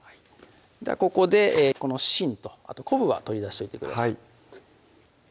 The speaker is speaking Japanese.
ここでこの芯とあと昆布は取り出しといてください